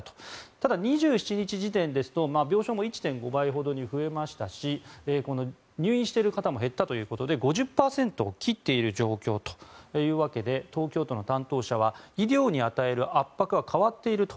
ただ、２７日時点ですと病床も１．５倍ほどに増えましたしこの入院している方も減ったということで５０％を切っている状況というわけで東京都の担当者は医療に与える圧迫は変わっていると。